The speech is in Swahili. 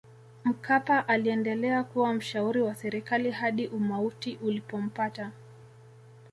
mkapa aliendelea kuwa mshauri wa serikali hadi umauti ulipompata